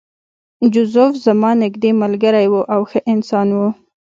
جوزف زما نږدې ملګری و او ښه انسان و